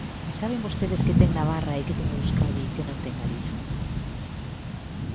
¿E saben vostedes que ten Navarra e que ten Euskadi que non ten Galiza?